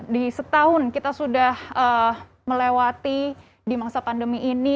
di setahun kita sudah melewati di masa pandemi ini